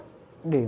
như cái nguyên tắc